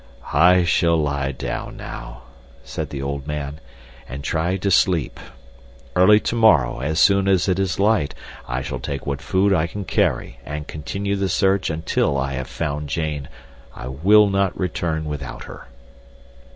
"I shall lie down now," said the old man, "and try to sleep. Early to morrow, as soon as it is light, I shall take what food I can carry and continue the search until I have found Jane. I will not return without her."